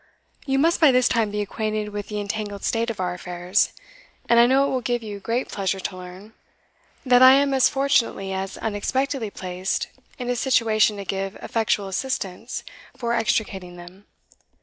You must by this time be acquainted with the entangled state of our affairs; and I know it will give you great pleasure to learn, that I am as fortunately as unexpectedly placed in a situation to give effectual assistance for extricating them.